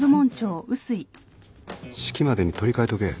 式までに取りかえとけ。